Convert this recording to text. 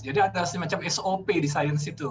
jadi ada semacam sop di sains itu